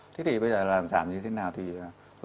thế thì bây giờ làm giảm như thế nào